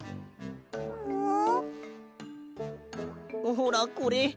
ほらこれ。